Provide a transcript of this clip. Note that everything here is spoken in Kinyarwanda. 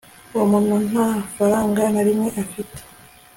Uwo muntu nta faranga na rimwe afite